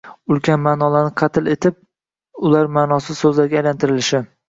– ulkan ma’nolarni qatl etib, ular ma’nosiz so‘zlarga aylantirilishi